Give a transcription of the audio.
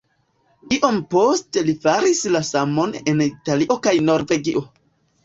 Iom poste li faris la samon en Italio kaj Norvegio.